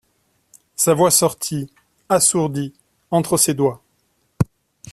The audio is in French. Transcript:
Sa voix sortit, assourdie, entre ses doigts.